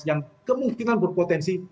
yang kemungkinan berpotensi